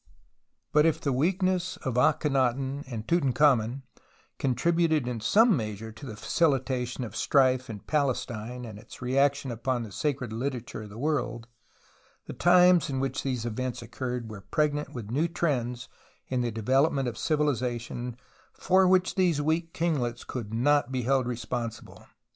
But if the weakness of Akhenaton and INTRODUCTORY 21 Tutankhamen contributed in some measure to the facilitation of strife in Palestine and its reaction upon the sacred literature of the world, the times in which these events occurred were pregnant with new trends in the develop ment of civilization for which these weak kinglets could not be held responsible.